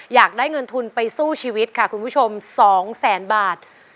อยากได้เงินทุนไปสู้ชีวิตค่ะคุณผู้ชม๒แสนบาท